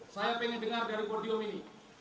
saya pengen dengar dari kodeom ini